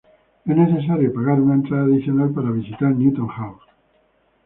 Es necesario pagar una entrada adicional para visitar Newton House.